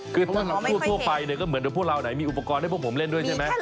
คือถ้าเราทั่วไปเนี่ยก็เหมือนเดี๋ยวพวกเราไหนมีอุปกรณ์ให้พวกผมเล่นด้วยใช่ไหม